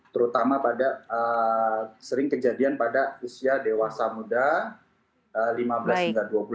terutama pada sering kejadian pada usia dewasa muda lima belas hingga dua puluh tahun